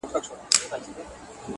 په يوه تاخته يې پى كړله مزلونه؛